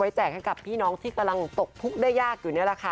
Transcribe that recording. แจกให้กับพี่น้องที่กำลังตกทุกข์ได้ยากอยู่นี่แหละค่ะ